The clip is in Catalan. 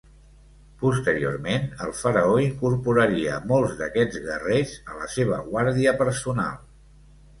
Posteriorment, el faraó incorporaria molts d'aquests guerrers a la seva guàrdia personal.